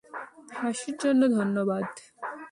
হাসির জন্য ধন্যবাদ।